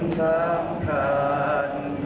เพื่อนเอยเพื่อนใจไปไหน